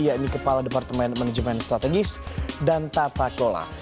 yakni kepala departemen manajemen strategis dan tata kelola